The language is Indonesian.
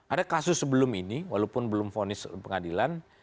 ada kasus sebelum ini walaupun belum fonis pengadilan